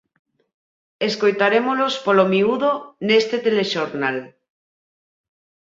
Escoitarémolos polo miúdo neste telexornal...